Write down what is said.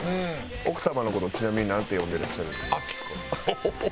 奥様の事をちなみになんて呼んでらっしゃるんですか？